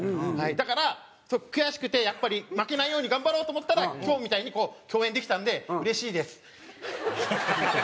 だから悔しくてやっぱり負けないように頑張ろうと思ったら今日みたいに共演できたんでうれしいです。